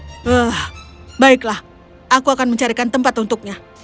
hah baiklah aku akan mencarikan tempat untuknya